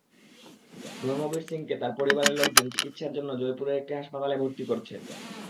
ধর্মবীর সিংকে তাঁর পরিবারের লোকজন চিকিৎসার জন্য জয়পুরের একটি হাসপাতালে ভর্তি করেছেন।